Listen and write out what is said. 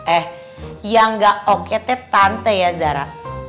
eh yang gak oke teh tante ya zara